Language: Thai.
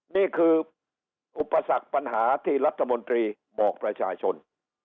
นี่คืออุปสรรคปัญหาที่รัฐมนตรีบอกประชาชน